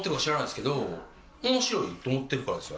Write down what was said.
面白いと思ってるからですよ